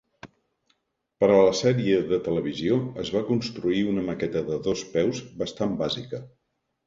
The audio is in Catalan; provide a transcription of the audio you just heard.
Per a la sèrie de televisió es va construir una maqueta de dos peus bastant bàsica.